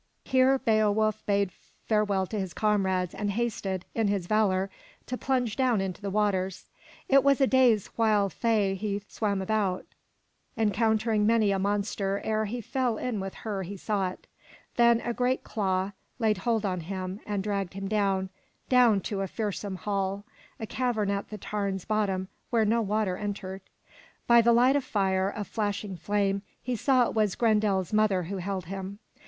Here Beowulf bade farewell to his comrades and hasted, in his valor, to plunge down into the waters. It was a day's while thai he swam about, encountering many a monster ere he fell in with her he sought. Then a great claw laid hold on him and dragged him down, down to a fearsome hall, a cavern at the tarn's bottom where no water entered. By the light of fire, a flashing flame, he saw it was Grendel's mother who held him.